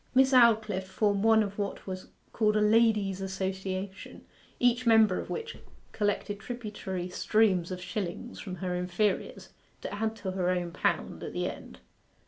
Miss Aldclyffe formed one of what was called a Ladies' Association, each member of which collected tributary streams of shillings from her inferiors, to add to her own pound at the end.